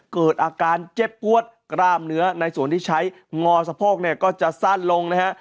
เกิดอาการเจ็บปวดกล้ามเนื้อในส่วนที่ใช้งอสะโพกเนี่ยก็จะสั้นลงนะฮะ